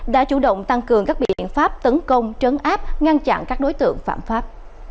đã chủ động tăng cường các biện pháp tấn công trấn áp ngăn chặn các đối tượng phạm pháp